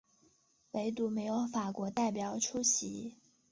惟独没有法国代表出席。